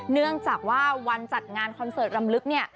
เนื่องจากว่าวันจัดงานคอนเสิร์ตรำลึกเนี่ย